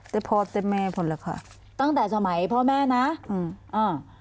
แต่พ่อแต่แม่พอแหละค่ะตั้งแต่สมัยพ่อแม่นะอืมอืม